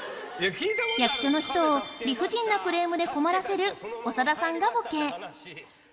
役所の人を理不尽なクレームで困らせる長田さんがボケ